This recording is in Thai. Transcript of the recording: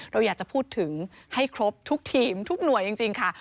เราอยากจะพูดถึงให้ครบทุกทีมทุกหน่วยจริงค่ะ